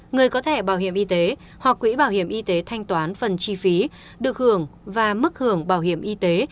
người có thẻ bảo hiểm y tế hoặc quỹ bảo hiểm y tế thanh toán phần chi phí được hưởng và mức hưởng bảo hiểm y tế